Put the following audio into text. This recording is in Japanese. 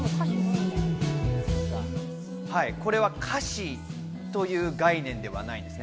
これは歌詞という概念ではないんです。